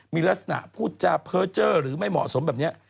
มีลักษณะพูดจาเพ้อเจอร์หรือไม่เหมาะสมแบบนี้